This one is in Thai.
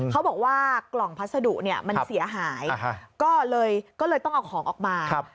เขาบอกว่ากล่องพัสดุเนี่ยมันเสียหายก็เลยต้องเอาของออกมา